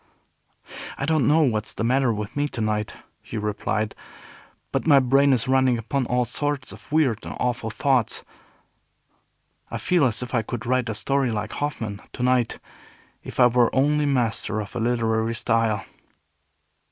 "I don't know what's the matter with me to night," he replied, "but my brain is running upon all sorts of weird and awful thoughts. I feel as if I could write a story like Hoffman, to night, if I were only master of a literary style."